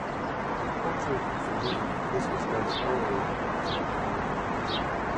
Fortunately for me, this was done orally.